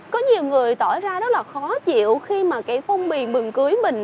có nhiều người tỏ ra rất là khó chịu khi mà cái phong bì mường cưới mình